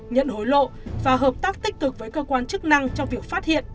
nhận hối lộ và hợp tác tích cực với cơ quan chức năng trong việc phát hiện